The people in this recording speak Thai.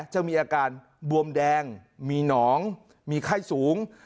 จะมีอาการบวมแดงมีหนองมีไข้สูง